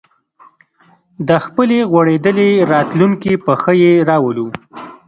د خپلې غوړېدلې راتلونکې په ښه یې راولو